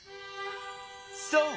そう！